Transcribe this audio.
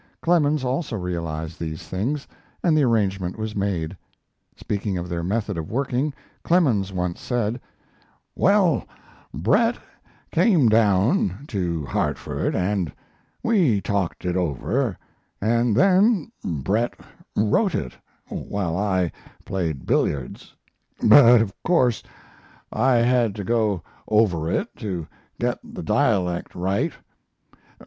Clemens also realized these things, and the arrangement was made. Speaking of their method of working, Clemens once said: "Well, Bret came down to Hartford and we talked it over, and then Bret wrote it while I played billiards, but of course I had to go over it to get the dialect right.